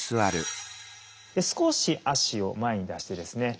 少し足を前に出してですね